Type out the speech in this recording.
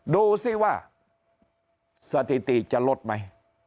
ดูสิว่าสถิติจะลดไหม